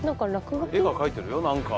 絵が描いてるよ何か。